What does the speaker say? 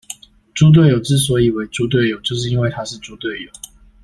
豬隊友之所以為豬隊友，就是因為他是豬隊友